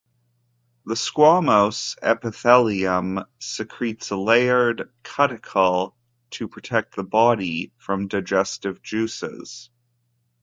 The squamous epithelium secretes a layered cuticle to protect the body from digestive juices.